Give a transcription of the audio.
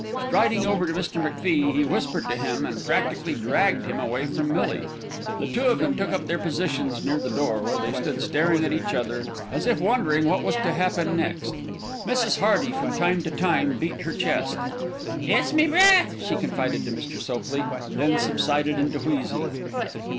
Striding over to Mr. MacFie, he whispered to him and practically dragged him away from Millie. The two of them took up their positions near the door, where they stood staring at each other as if wondering what was to happen next. Mrs. Hearty from time to time beat her chest. "It's me breath," she confided to Mr. Sopley, then subsided into wheezing.